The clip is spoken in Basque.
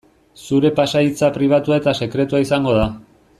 Zure pasahitza pribatua eta sekretua izango da.